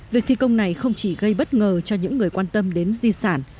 việc thi công này không chỉ gây bất ngờ cho những người quan tâm đến di sản